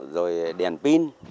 rồi đèn pin